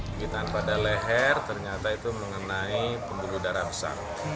gigitan pada leher ternyata itu mengenai pembuluh darah besar